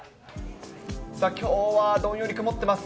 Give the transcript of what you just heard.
さあきょうは、どんより曇ってます。